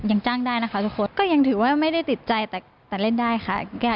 ยังจ้างได้นะคะทุกคนก็ยังถือว่าไม่ได้ติดใจแต่เล่นได้ค่ะ